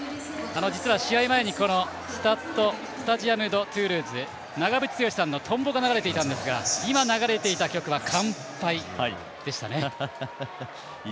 実は、試合前にスタジアム・ド・トゥールーズ長渕剛さんの「とんぼ」が流れていたんですが今、流れていた曲は「乾杯」でしたね。